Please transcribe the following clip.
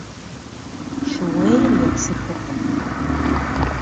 Шууейр епсыхыркъым.